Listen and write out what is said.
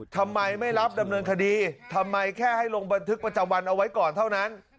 ทำไมไม่รับดำเนินคดีทำไมแค่ให้ลงบันทึกประจำวันเอาไว้ก่อนเท่านั้น